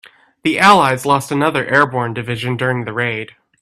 The allies lost another airborne division during the raid.